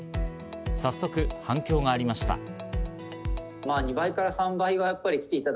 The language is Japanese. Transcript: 早速反響がありました。